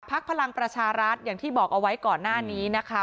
พลังประชารัฐอย่างที่บอกเอาไว้ก่อนหน้านี้นะคะ